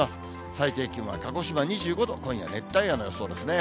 最低気温は鹿児島２５度、今夜熱帯夜の予想ですね。